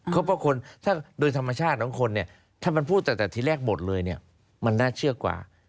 เพราะคนถ้าโดยธรรมชาติของคนเนี่ยถ้ามันพูดตั้งแต่ทีแรกหมดเลยเนี่ยมันน่าเชื่อกว่า